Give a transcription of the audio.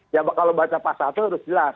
ya kalau baca pasal itu harus jelas